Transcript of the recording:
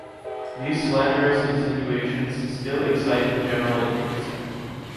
These slanderous insinuations still excite the general interest.